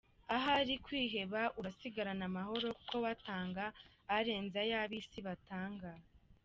Ahari kwiheba urasigarana Amahoro kuko we atanga arenze ayo ab’isi batanga.